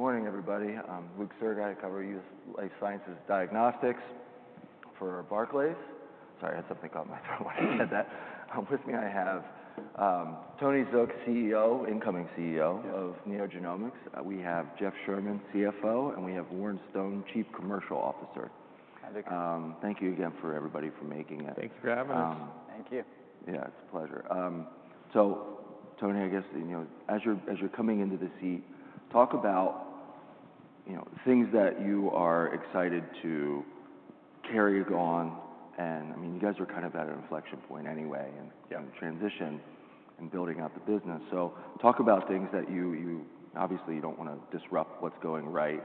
Good morning, everybody. I'm Luke Sergott. I cover U.S. life sciences diagnostics for Barclays. Sorry, I had something caught in my throat when I said that. With me I have Tony Zook, incoming CEO of NeoGenomics. We have Jeff Sherman, CFO, and we have Warren Stone, Chief Commercial Officer. Hi, Luke. Thank you again for everybody for making it. Thanks for having us. Thank you. Yeah, it's a pleasure. Tony, I guess, as you're coming into the seat, talk about things that you are excited to carry on. I mean, you guys are kind of at an inflection point anyway in transition and building out the business. Talk about things that you obviously don't want to disrupt what's going right,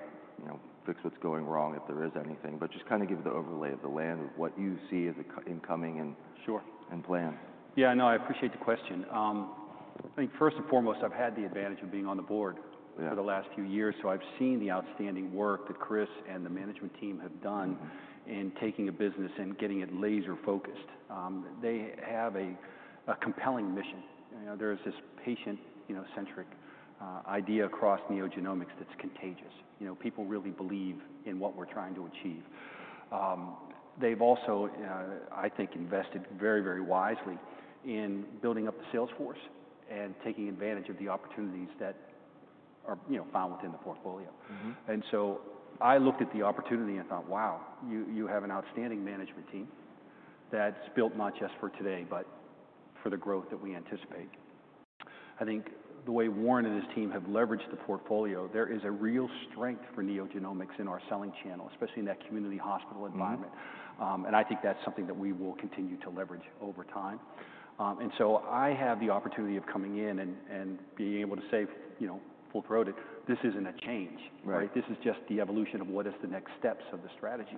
fix what's going wrong if there is anything, but just kind of give the overlay of the land of what you see as incoming and plan. Sure. Yeah, no, I appreciate the question. I think first and foremost, I've had the advantage of being on the board for the last few years. I have seen the outstanding work that Chris and the management team have done in taking a business and getting it laser-focused. They have a compelling mission. There is this patient-centric idea across NeoGenomics that's contagious. People really believe in what we're trying to achieve. They have also, I think, invested very, very wisely in building up the sales force and taking advantage of the opportunities that are found within the portfolio. I looked at the opportunity and thought, wow, you have an outstanding management team that's built not just for today, but for the growth that we anticipate. I think the way Warren and his team have leveraged the portfolio, there is a real strength for NeoGenomics in our selling channel, especially in that community hospital environment. I think that's something that we will continue to leverage over time. I have the opportunity of coming in and being able to say, full-throated, this isn't a change. This is just the evolution of what is the next steps of the strategy.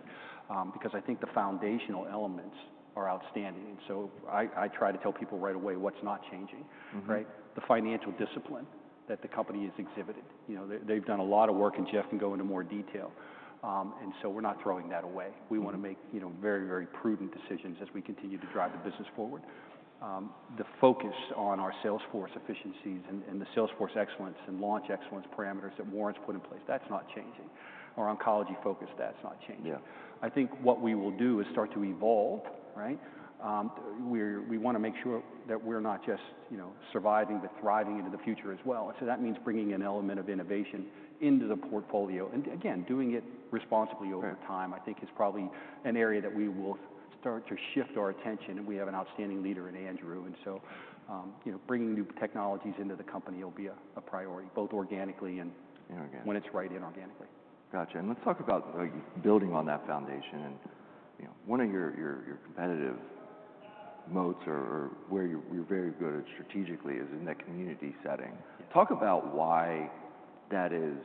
I think the foundational elements are outstanding. I try to tell people right away what's not changing. The financial discipline that the company has exhibited. They've done a lot of work, and Jeff can go into more detail. We're not throwing that away. We want to make very, very prudent decisions as we continue to drive the business forward. The focus on our sales force efficiencies and the sales force excellence and launch excellence parameters that Warren's put in place, that's not changing. Our oncology focus, that's not changing. I think what we will do is start to evolve. We want to make sure that we're not just surviving, but thriving into the future as well. That means bringing an element of innovation into the portfolio. Again, doing it responsibly over time, I think, is probably an area that we will start to shift our attention. We have an outstanding leader in Andrew. Bringing new technologies into the company will be a priority, both organically and when it's right inorganically. Gotcha. Let's talk about building on that foundation. One of your competitive moats, or where you're very good at strategically, is in that community setting. Talk about why that is,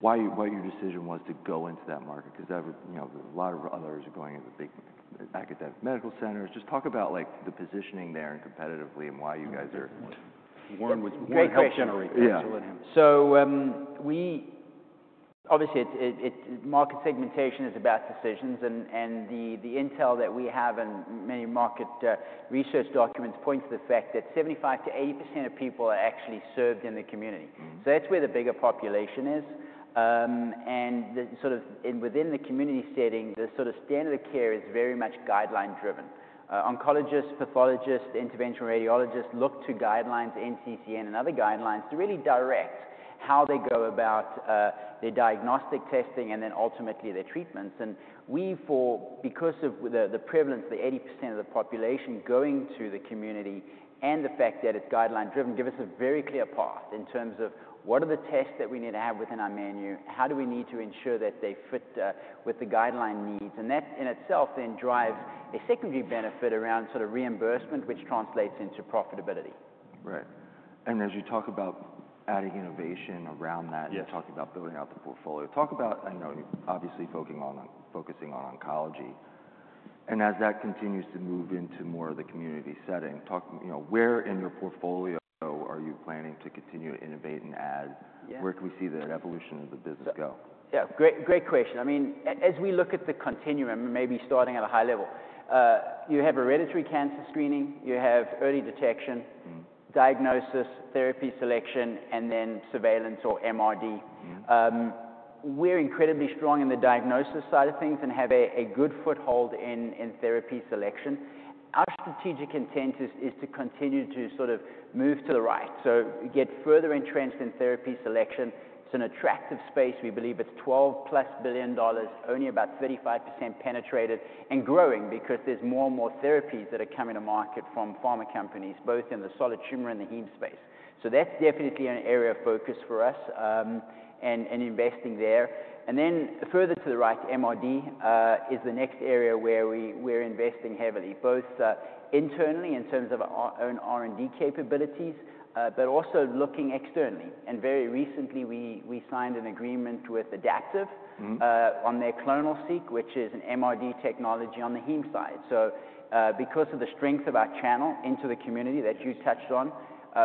why your decision was to go into that market. Because a lot of others are going into big academic medical centers. Just talk about the positioning there competitively and why you guys are. Warren was more help. Yeah. Obviously, market segmentation is about decisions. The intel that we have and many market research documents point to the fact that 75%-80% of people are actually served in the community. That's where the bigger population is. Within the community setting, the sort of standard of care is very much guideline-driven. Oncologists, pathologists, interventional radiologists look to guidelines, NCCN, and other guidelines to really direct how they go about their diagnostic testing and then ultimately their treatments. We, because of the prevalence, the 80% of the population going to the community and the fact that it's guideline-driven, have a very clear path in terms of what are the tests that we need to have within our menu, how do we need to ensure that they fit with the guideline needs. That in itself then drives a secondary benefit around sort of reimbursement, which translates into profitability. Right. As you talk about adding innovation around that and talking about building out the portfolio, talk about obviously focusing on oncology. As that continues to move into more of the community setting, where in your portfolio are you planning to continue to innovate and add? Where can we see the evolution of the business go? Yeah, great question. I mean, as we look at the continuum, maybe starting at a high level, you have hereditary cancer screening, you have early detection, diagnosis, therapy selection, and then surveillance or MRD. We're incredibly strong in the diagnosis side of things and have a good foothold in therapy selection. Our strategic intent is to continue to sort of move to the right. Get further entrenched in therapy selection. It's an attractive space. We believe it's $12 billion plus, only about 35% penetrated and growing because there's more and more therapies that are coming to market from pharma companies, both in the solid tumor and the heme space. That's definitely an area of focus for us and investing there. Further to the right, MRD is the next area where we're investing heavily, both internally in terms of our own R&D capabilities, but also looking externally. Very recently, we signed an agreement with Adaptive on their clonoSEQ, which is an MRD technology on the heme side. Because of the strength of our channel into the community that you touched on,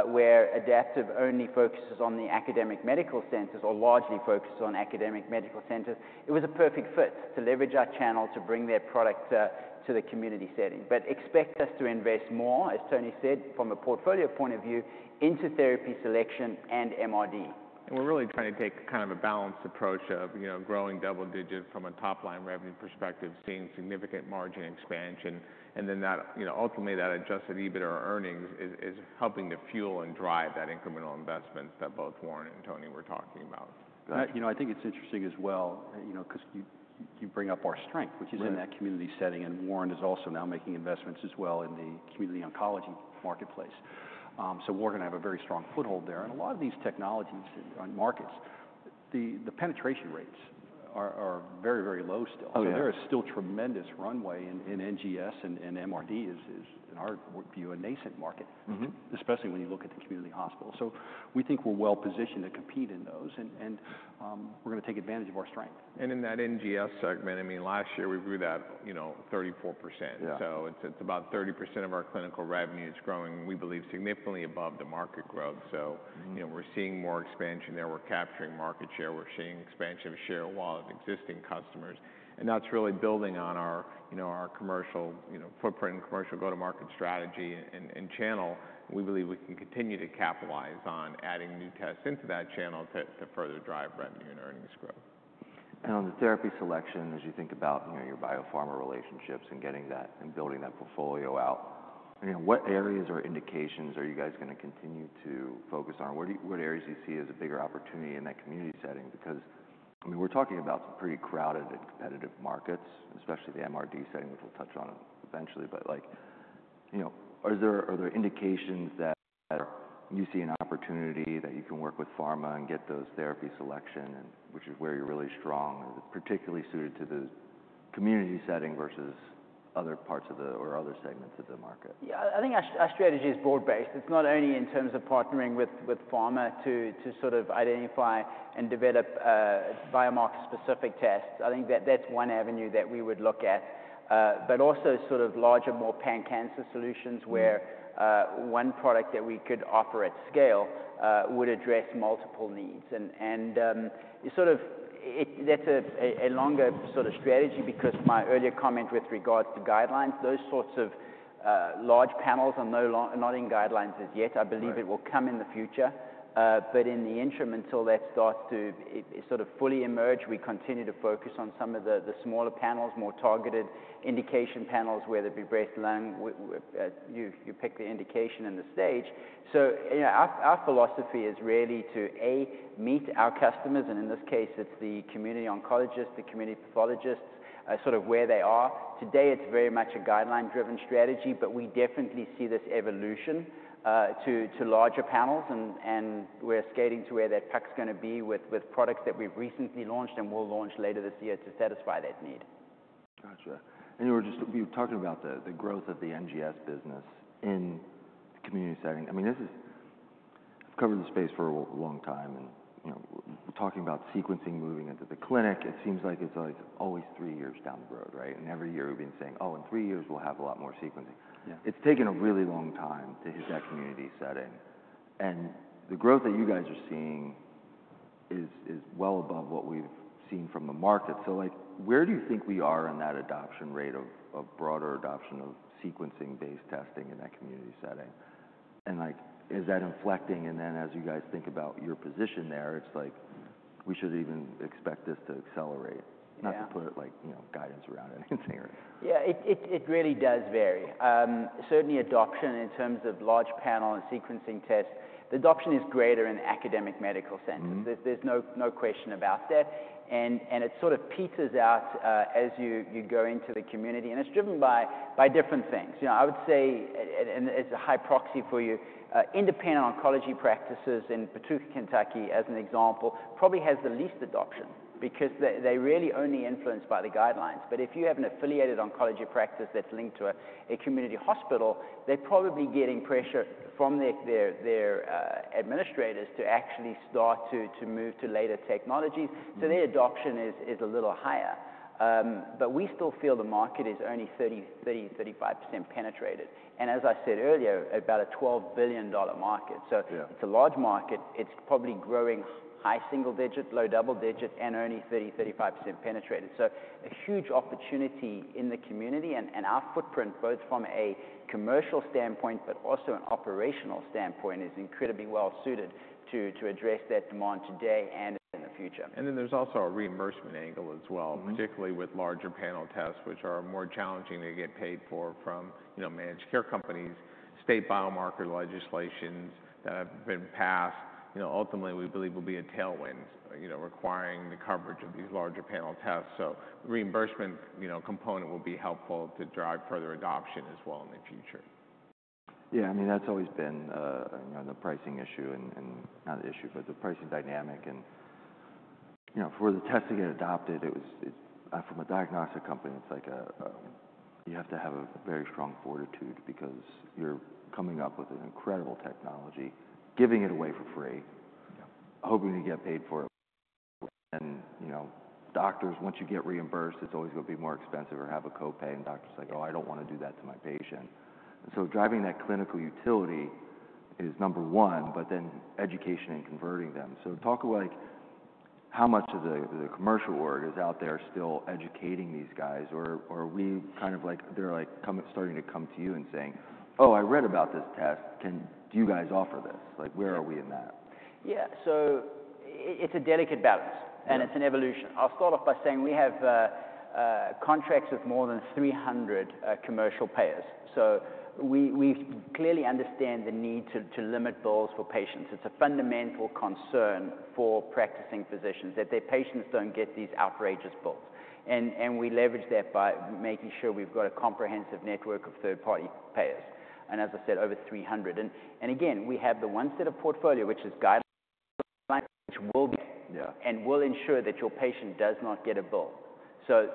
where Adaptive only focuses on the academic medical centers or largely focuses on academic medical centers, it was a perfect fit to leverage our channel to bring their product to the community setting. Expect us to invest more, as Tony said, from a portfolio point of view, into therapy selection and MRD. We are really trying to take kind of a balanced approach of growing double digit from a top-line revenue perspective, seeing significant margin expansion. Then ultimately, that adjusted EBITDA or earnings is helping to fuel and drive that incremental investment that both Warren and Tony were talking about. I think it's interesting as well because you bring up our strength, which is in that community setting. Warren is also now making investments as well in the community oncology marketplace. Warren and I have a very strong foothold there. A lot of these technologies on markets, the penetration rates are very, very low still. There is still tremendous runway in NGS and MRDs, in our view, a nascent market, especially when you look at the community hospital. We think we're well positioned to compete in those. We're going to take advantage of our strength. In that NGS segment, I mean, last year we grew that 34%. It is about 30% of our clinical revenue. It is growing, we believe, significantly above the market growth. We are seeing more expansion there. We are capturing market share. We are seeing expansion of share of wallet existing customers. That is really building on our commercial footprint and commercial go-to-market strategy and channel. We believe we can continue to capitalize on adding new tests into that channel to further drive revenue and earnings growth. On the therapy selection, as you think about your biopharma relationships and building that portfolio out, what areas or indications are you guys going to continue to focus on? What areas do you see as a bigger opportunity in that community setting? Because we are talking about some pretty crowded and competitive markets, especially the MRD setting, which we will touch on eventually. Are there indications that you see an opportunity that you can work with pharma and get those therapy selections, which is where you're really strong, particularly suited to the community setting versus other parts or other segments of the market? Yeah, I think our strategy is broad-based. It's not only in terms of partnering with pharma to sort of identify and develop biomarker-specific tests. I think that's one avenue that we would look at. Also, sort of larger, more pan-cancer solutions where one product that we could offer at scale would address multiple needs. That's a longer sort of strategy because my earlier comment with regards to guidelines, those sorts of large panels are not in guidelines as yet. I believe it will come in the future. In the interim, until that starts to sort of fully emerge, we continue to focus on some of the smaller panels, more targeted indication panels, whether it be breast, lung, you pick the indication and the stage. Our philosophy is really to, A, meet our customers. In this case, it's the community oncologists, the community pathologists, sort of where they are. Today, it's very much a guideline-driven strategy, but we definitely see this evolution to larger panels. We're skating to where that puck's going to be with products that we've recently launched and will launch later this year to satisfy that need. Gotcha. You were just talking about the growth of the NGS business in the community setting. I mean, I've covered the space for a long time. Talking about sequencing moving into the clinic, it seems like it's always three years down the road, right? Every year we've been saying, oh, in three years, we'll have a lot more sequencing. It's taken a really long time to hit that community setting. The growth that you guys are seeing is well above what we've seen from the market. Where do you think we are in that adoption rate of broader adoption of sequencing-based testing in that community setting? Is that inflecting? As you guys think about your position there, it's like we should even expect this to accelerate, not to put guidance around anything. Yeah, it really does vary. Certainly, adoption in terms of large panel and sequencing tests, the adoption is greater in academic medical centers. There's no question about that. It sort of peters out as you go into the community. It's driven by different things. I would say, as a high proxy for you, independent oncology practices in Kentucky, as an example, probably have the least adoption because they're really only influenced by the guidelines. If you have an affiliated oncology practice that's linked to a community hospital, they're probably getting pressure from their administrators to actually start to move to later technologies. Their adoption is a little higher. We still feel the market is only 30%-35% penetrated. As I said earlier, about a $12 billion market. It's a large market. It's probably growing high single digit, low double digit, and only 30%-35% penetrated. A huge opportunity in the community. Our footprint, both from a commercial standpoint, but also an operational standpoint, is incredibly well suited to address that demand today and in the future. There is also a reimbursement angle as well, particularly with larger panel tests, which are more challenging to get paid for from managed care companies, state biomarker legislations that have been passed. Ultimately, we believe will be a tailwind requiring the coverage of these larger panel tests. The reimbursement component will be helpful to drive further adoption as well in the future. Yeah. I mean, that's always been the pricing issue. Not an issue, but the pricing dynamic. For the test to get adopted, from a diagnostic company, it's like you have to have a very strong fortitude because you're coming up with an incredible technology, giving it away for free, hoping to get paid for it. Doctors, once you get reimbursed, it's always going to be more expensive or have a copay. And doctor's like, oh, I don't want to do that to my patient. Driving that clinical utility is number one, but then education and converting them. Talk about how much of the commercial org is out there still educating these guys? Or are we kind of like they're starting to come to you and saying, oh, I read about this test. Do you guys offer this? Where are we in that? Yeah. It is a delicate balance. It is an evolution. I'll start off by saying we have contracts with more than 300 commercial payers. We clearly understand the need to limit bills for patients. It is a fundamental concern for practicing physicians that their patients do not get these outrageous bills. We leverage that by making sure we have a comprehensive network of third-party payers. As I said, over 300. We have the one set of portfolio, which is guidelines, which will ensure that your patient does not get a bill.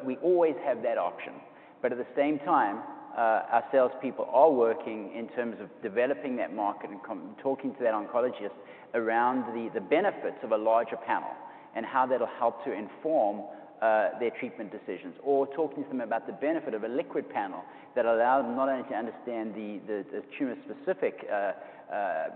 We always have that option. At the same time, our salespeople are working in terms of developing that market and talking to that oncologist around the benefits of a larger panel and how that will help to inform their treatment decisions. Talking to them about the benefit of a liquid panel that allows them not only to understand the tumor-specific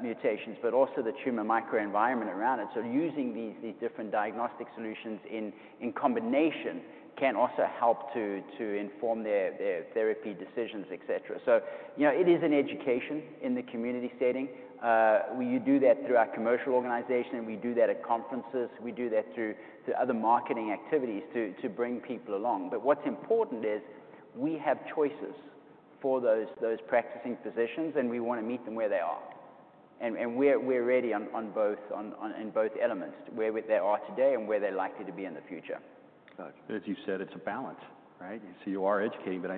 mutations, but also the tumor microenvironment around it. Using these different diagnostic solutions in combination can also help to inform their therapy decisions, et cetera. It is an education in the community setting. We do that through our commercial organization. We do that at conferences. We do that through other marketing activities to bring people along. What is important is we have choices for those practicing physicians, and we want to meet them where they are. We are ready in both elements, where they are today and where they are likely to be in the future. As you said, it's a balance, right? You are educating, but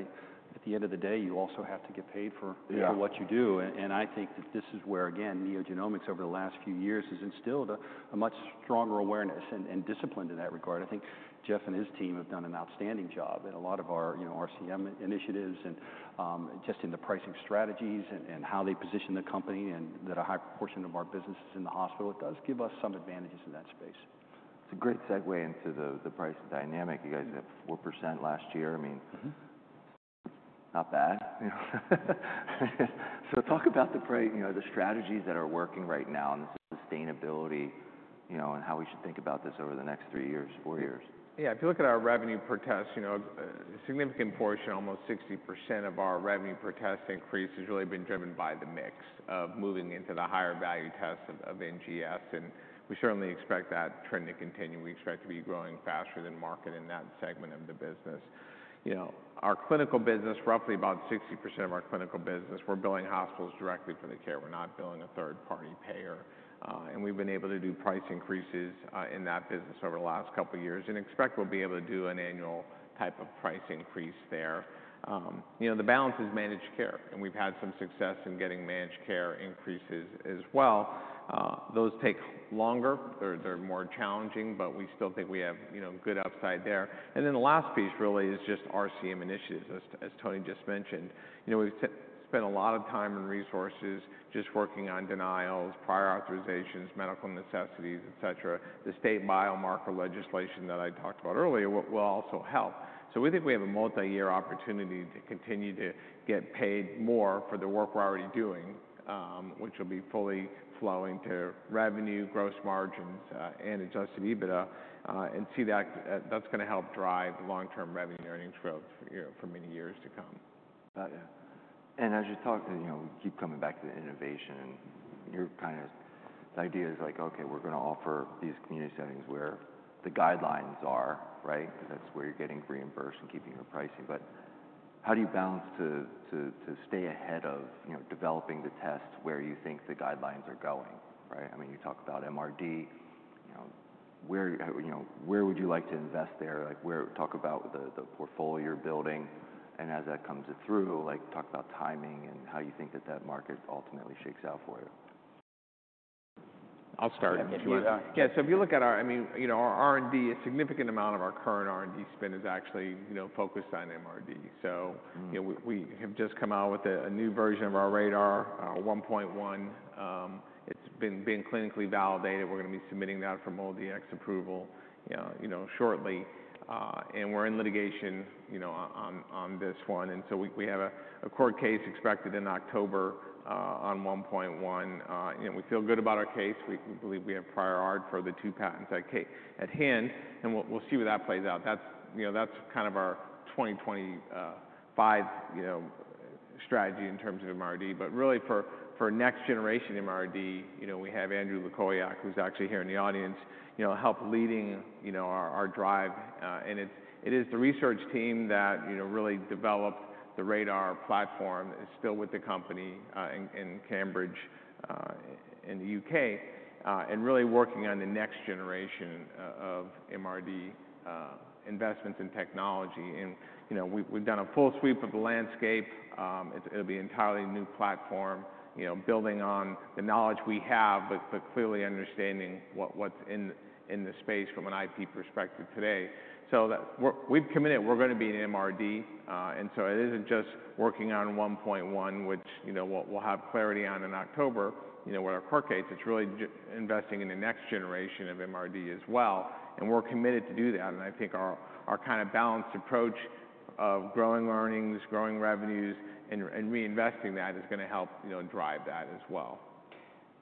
at the end of the day, you also have to get paid for what you do. I think that this is where, again, NeoGenomics over the last few years has instilled a much stronger awareness and discipline in that regard. I think Jeff and his team have done an outstanding job in a lot of our RCM initiatives and just in the pricing strategies and how they position the company and that a high proportion of our business is in the hospital. It does give us some advantages in that space. It's a great segue into the pricing dynamic. You guys have 4% last year. I mean, not bad. Talk about the strategies that are working right now and the sustainability and how we should think about this over the next three years, four years. Yeah. If you look at our revenue per test, a significant portion, almost 60% of our revenue per test increase has really been driven by the mix of moving into the higher value test of NGS. We certainly expect that trend to continue. We expect to be growing faster than market in that segment of the business. Our clinical business, roughly about 60% of our clinical business, we're billing hospitals directly for the care. We're not billing a third-party payer. We've been able to do price increases in that business over the last couple of years and expect we'll be able to do an annual type of price increase there. The balance is managed care. We've had some success in getting managed care increases as well. Those take longer. They're more challenging, but we still think we have good upside there. The last piece really is just RCM initiatives, as Tony just mentioned. We've spent a lot of time and resources just working on denials, prior authorizations, medical necessities, et cetera. The state biomarker legislation that I talked about earlier will also help. We think we have a multi-year opportunity to continue to get paid more for the work we're already doing, which will be fully flowing to revenue, gross margins, and adjusted EBITDA. We see that that's going to help drive long-term revenue earnings growth for many years to come. As you talk, we keep coming back to the innovation. The idea is like, okay, we're going to offer these community settings where the guidelines are, right? Because that's where you're getting reimbursed and keeping your pricing. How do you balance to stay ahead of developing the tests where you think the guidelines are going, right? I mean, you talk about MRD. Where would you like to invest there? Talk about the portfolio you're building. As that comes through, talk about timing and how you think that that market ultimately shakes out for you. I'll start if you want. Yeah. If you look at our R&D, a significant amount of our current R&D spend is actually focused on MRD. We have just come out with a new version of our RaDaR, our 1.1. It's been clinically validated. We're going to be submitting that for MolDX approval shortly. We're in litigation on this one. We have a court case expected in October on 1.1. We feel good about our case. We believe we have prior art for the two patents at hand. We'll see where that plays out. That's kind of our 2025 strategy in terms of MRD. Really, for next generation MRD, we have Andrew Lukowiak, who's actually here in the audience, help leading our drive. It is the research team that really developed the RaDaR platform that is still with the company in Cambridge in the U.K. and really working on the next generation of MRD investments in technology. We have done a full sweep of the landscape. It will be an entirely new platform, building on the knowledge we have, but clearly understanding what is in the space from an IP perspective today. We have committed. We are going to be in MRD. It is not just working on 1.1, which we will have clarity on in October with our court case. It is really investing in the next generation of MRD as well. We are committed to do that. I think our kind of balanced approach of growing earnings, growing revenues, and reinvesting that is going to help drive that as well.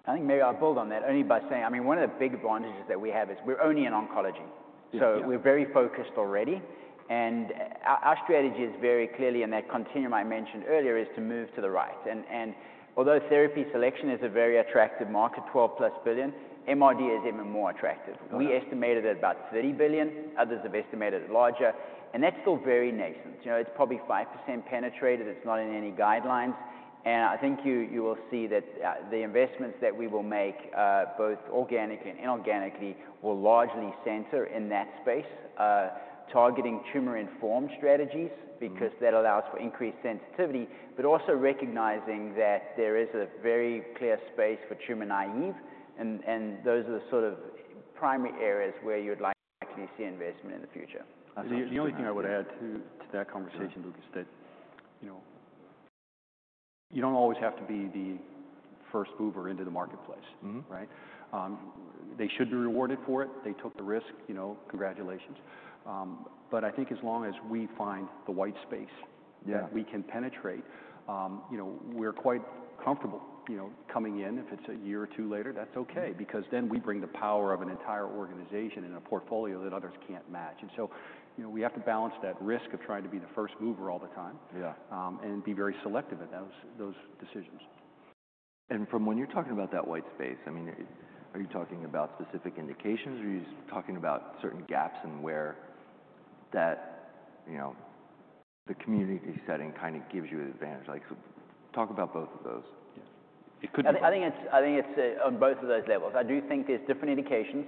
I think maybe I'll build on that only by saying, I mean, one of the big advantages that we have is we're only in oncology. So we're very focused already. Our strategy is very clearly, and that continuum I mentioned earlier is to move to the right. Although therapy selection is a very attractive market, $12 billion+, MRD is even more attractive. We estimated it at about $30 billion. Others have estimated it larger. That's still very nascent. It's probably 5% penetrated. It's not in any guidelines. I think you will see that the investments that we will make, both organic and inorganically, will largely center in that space, targeting tumor-informed strategies because that allows for increased sensitivity, but also recognizing that there is a very clear space for tumor naive. Those are the sort of primary areas where you would likely see investment in the future. The only thing I would add to that conversation, Lucas, is that you do not always have to be the first mover into the marketplace, right? They should be rewarded for it. They took the risk. Congratulations. I think as long as we find the white space that we can penetrate, we are quite comfortable coming in. If it is a year or two later, that is okay because then we bring the power of an entire organization and a portfolio that others cannot match. We have to balance that risk of trying to be the first mover all the time and be very selective at those decisions. When you are talking about that white space, I mean, are you talking about specific indications or are you talking about certain gaps in where the community setting kind of gives you an advantage? Talk about both of those. I think it's on both of those levels. I do think there's different indications.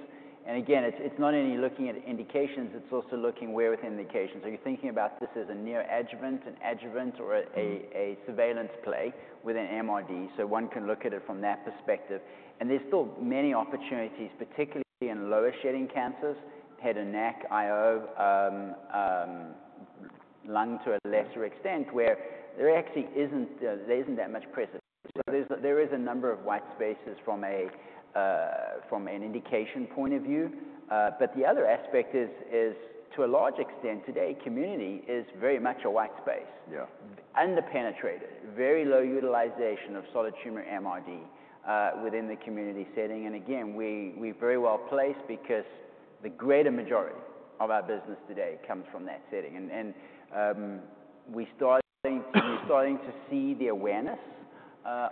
Again, it's not only looking at indications. It's also looking where within indications. Are you thinking about this as a neoadjuvant, an adjuvant, or a surveillance play within MRD? One can look at it from that perspective. There's still many opportunities, particularly in lower shedding cancers, head and neck, IO, lung to a lesser extent, where there actually isn't that much pressure. There is a number of white spaces from an indication point of view. The other aspect is, to a large extent today, community is very much a white space, underpenetrated, very low utilization of solid tumor MRD within the community setting. Again, we're very well placed because the greater majority of our business today comes from that setting. We're starting to see the awareness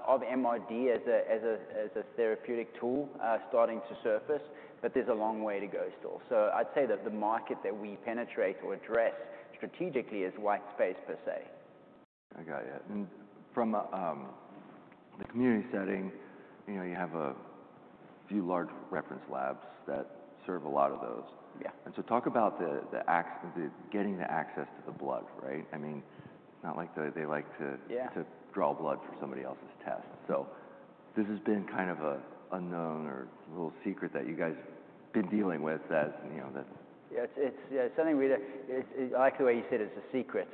of MRD as a therapeutic tool starting to surface, but there's a long way to go still. I'd say that the market that we penetrate or address strategically is white space per se. I got you. From the community setting, you have a few large reference labs that serve a lot of those. Talk about getting the access to the blood, right? I mean, it's not like they like to draw blood for somebody else's test. This has been kind of an unknown or a little secret that you guys have been dealing with. Yeah, it's something we like the way you said it's a secret.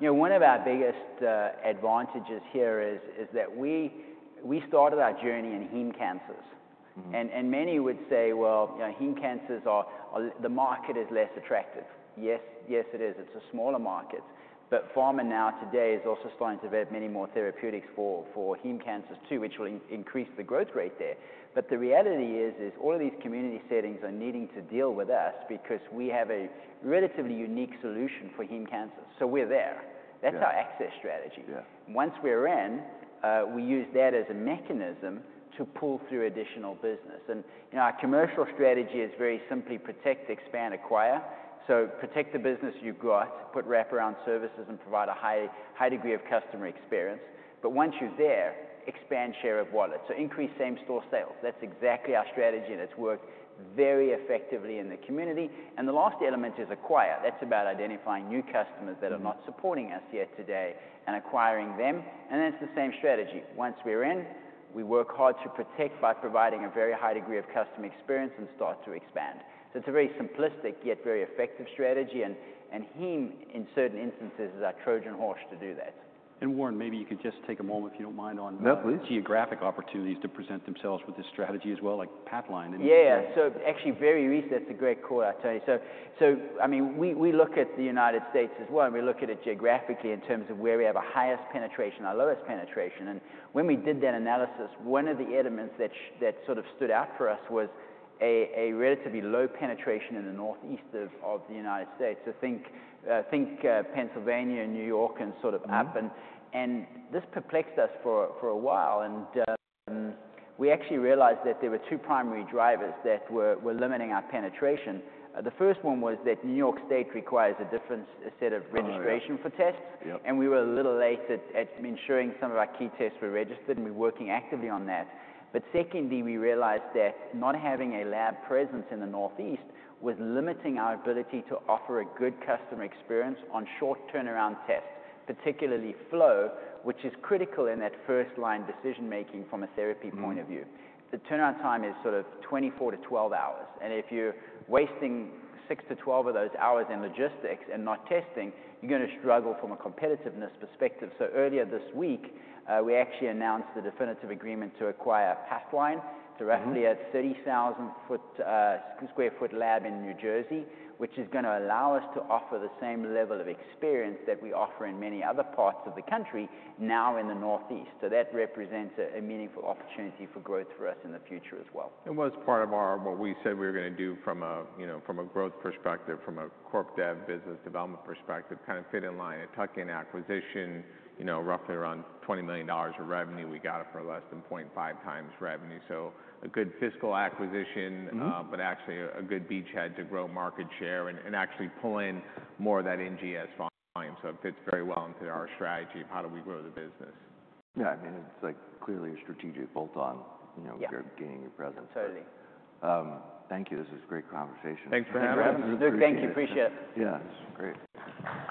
One of our biggest advantages here is that we started our journey in heme cancers. And many would say, well, heme cancers are the market is less attractive. Yes, it is. It's a smaller market. But pharma now today is also starting to develop many more therapeutics for heme cancers too, which will increase the growth rate there. The reality is, all of these community settings are needing to deal with us because we have a relatively unique solution for heme cancers. We're there. That's our access strategy. Once we're in, we use that as a mechanism to pull through additional business. Our commercial strategy is very simply protect, expand, acquire. Protect the business you've got, put wrap-around services, and provide a high degree of customer experience. Once you're there, expand share of wallet. Increase same-store sales. That's exactly our strategy, and it's worked very effectively in the community. The last element is acquire. That's about identifying new customers that are not supporting us yet today and acquiring them. That's the same strategy. Once we're in, we work hard to protect by providing a very high degree of customer experience and start to expand. It's a very simplistic yet very effective strategy. Heme, in certain instances, is our Trojan horse to do that. Warren, maybe you could just take a moment, if you don't mind, on geographic opportunities to present themselves with this strategy as well, like Pathline. Yeah. So actually, very recently, that's a great call out, Tony. I mean, we look at the United States as well, and we look at it geographically in terms of where we have a highest penetration, a lowest penetration. When we did that analysis, one of the elements that sort of stood out for us was a relatively low penetration in the Northeast United States. Think Pennsylvania and New York and sort of up. This perplexed us for a while. We actually realized that there were two primary drivers that were limiting our penetration. The first one was that New York State requires a different set of registration for tests. We were a little late at ensuring some of our key tests were registered, and we're working actively on that. Secondly, we realized that not having a lab presence in the Northeast was limiting our ability to offer a good customer experience on short turnaround tests, particularly flow, which is critical in that first-line decision-making from a therapy point of view. The turnaround time is sort of 24-12hours. If you're wasting 6 to 12 of those hours in logistics and not testing, you're going to struggle from a competitiveness perspective. Earlier this week, we actually announced the definitive agreement to acquire Pathline. It's roughly a 30,000 sq ft lab in New Jersey, which is going to allow us to offer the same level of experience that we offer in many other parts of the country now in the Northeast. That represents a meaningful opportunity for growth for us in the future as well. It was part of what we said we were going to do from a growth perspective, from a corp dev business development perspective, kind of fit in line. It tucked in acquisition, roughly around $20 million of revenue. We got it for less than 0.5x revenue. A good fiscal acquisition, but actually a good beachhead to grow market share and actually pull in more of that NGS volume. It fits very well into our strategy of how do we grow the business. Yeah. I mean, it's clearly a strategic bolt-on if you're gaining your presence. Totally. Thank you. This was a great conversation. Thanks for having us. Thank you. Appreciate it. Yeah. It's great.